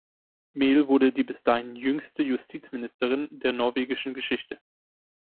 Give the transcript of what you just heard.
Mehl wurde die bis dahin jüngste Justizministerin der norwegischen Geschichte.